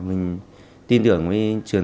mình tin tưởng với trường